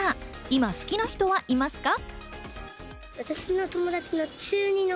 今、好きな人はいますか？